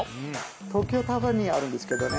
東京タワーにあるんですけどね。